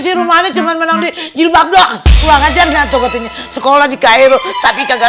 si rumana cuman menang di jilbab doang luang ajar gak tuh katanya sekolah di krl tapi kagak